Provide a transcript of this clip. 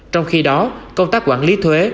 trong khi đó công tác quản lý thuế